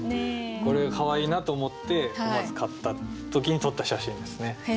これがかわいいなと思って思わず買った時に撮った写真ですね。